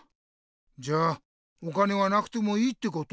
じゃあお金はなくてもいいってこと？